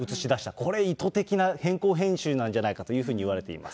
これ意図的な偏向編集なんじゃないかと言われています。